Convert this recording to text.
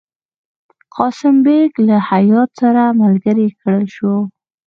قاسم بیګ له هیات سره ملګری کړل شو.